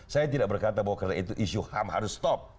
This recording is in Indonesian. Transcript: saya tidak berkata bahwa karena itu isu ham harus stop